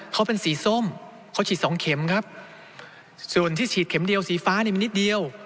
เขาเป็นสีส้มเขาฉีดสองเข็มครับส่วนที่ฉีดเข็มเดียวสีฟ้าเนี่ยมันนิดเดียว